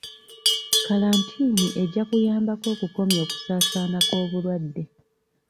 Kalantiini ejja kuyambako okukomya okusaasaana kw'obulwadde.